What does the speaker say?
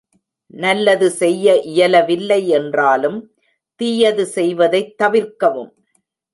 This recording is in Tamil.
நல்லது செய்ய இயலவில்லை என்றாலும் தீயது செய்வதைத் தவிர்க்கவும்.